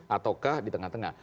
ataukah di tengah tengah